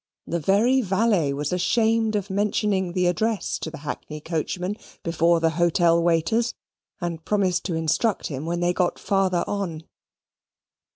The very valet was ashamed of mentioning the address to the hackney coachman before the hotel waiters, and promised to instruct him when they got further on.